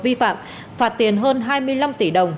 vi phạm phạt tiền hơn hai mươi năm tỷ đồng